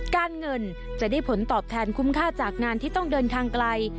การเงินจะได้ผลตอบแทนคุ้มค่าจากงานที่ต้องเดินทางไกล